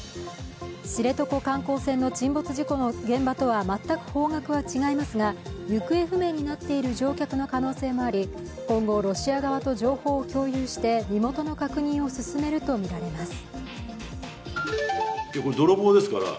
知床遊覧船の沈没事故の現場とは全く方角は違いますが、行方不明になっている乗客の可能性もあり今後、ロシア側と情報を共有して身元の確認を進めるとみられます。